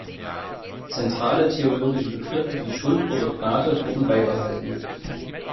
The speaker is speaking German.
Zentrale theologische Begriffe wie „Schuld“ oder „Gnade“ werden beibehalten.